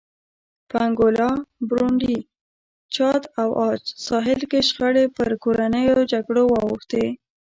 په انګولا، برونډي، چاد او عاج ساحل کې شخړې پر کورنیو جګړو واوښتې.